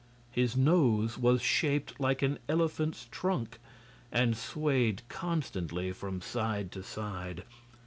His nose was shaped like an elephant's trunk, and swayed constantly from side to side.